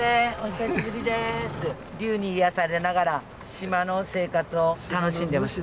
りゅうに癒やされながら島の生活を楽しんでます。